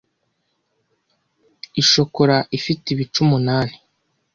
Ishokora ifite ibice umunani